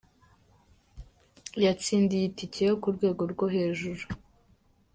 Yatsindiye itike yo ku rwego rwo hejuru,.